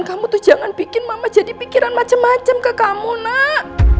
kamu tuh jangan bikin mama jadi pikiran macam macam ke kamu nak